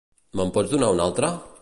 Me'n pots donar una altra?